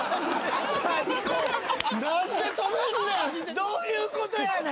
どういうことやねん。